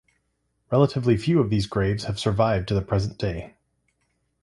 Relatively few of these graves have survived to the present day.